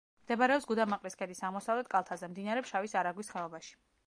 მდებარეობს გუდამაყრის ქედის აღმოსავლეთ კალთაზე, მდინარე ფშავის არაგვის ხეობაში.